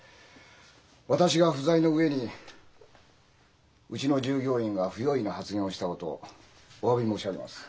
私が不在の上にうちの従業員が不用意な発言をしたことをおわび申し上げます。